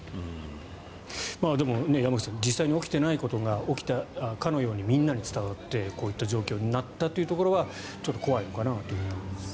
でも、山口さん実際に起きてないことが起きたかのようにみんなに伝わってこういった状況になったというところはちょっと怖いのかなと思います。